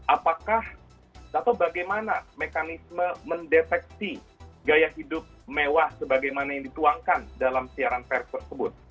apakah atau bagaimana mekanisme mendeteksi gaya hidup mewah sebagaimana yang dituangkan dalam siaran pers tersebut